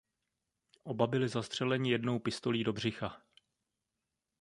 Oba byli zastřeleni jednou pistolí do břicha.